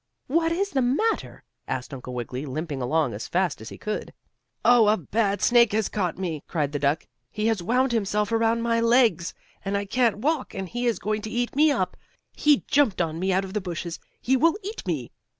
"What is the matter?" asked Uncle Wiggily, limping along as fast as he could. "Oh, a bad snake has caught me!" cried the duck. "He has wound himself around my legs, and I can't walk, and he is going to eat me up! He jumped on me out of the bushes. He will eat me!"